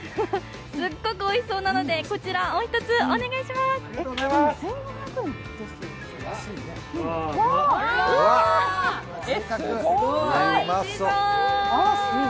すっごくおいしそうなので、こちらお１つお願いします。